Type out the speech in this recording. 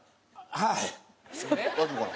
はい。